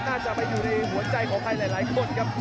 น่าจะไปอยู่ในหัวใจของใครหลายคนครับ